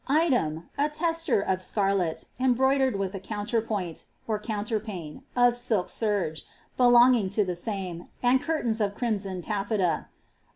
Item, a tester of scarlet, em broidered with a amnUrpairU (counterpane) of silk serge, belonging to the same, ard curtains of crimson taffeta.